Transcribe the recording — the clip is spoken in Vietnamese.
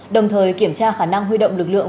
đồng thời kiểm tra khả năng huy động lực lượng